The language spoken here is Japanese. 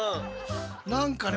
何かね